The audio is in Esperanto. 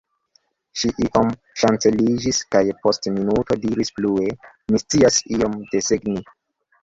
Ŝi iom ŝanceliĝis kaj post minuto diris plue: -- Mi scias iom desegni.